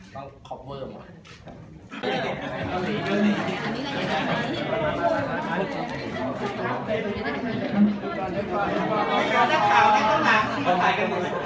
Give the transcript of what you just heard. ต้องคอบเวิร์ดหมด